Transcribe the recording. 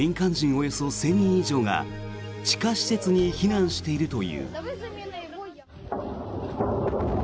およそ１０００人以上が地下施設に避難しているという。